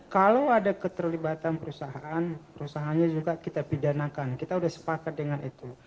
kalau ada keterlibatan perusahaan perusahaannya juga kita pidanakan kita sudah sepakat dengan itu